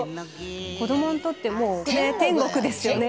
子供にとってもう天国ですよね